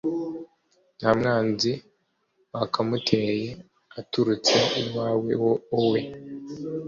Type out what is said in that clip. ntamwanzi wakamuteye aturutse iwawe wowe